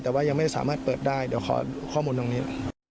แต่ว่ายังไม่สามารถเปิดได้เดี๋ยวขอข้อมูลตรงนี้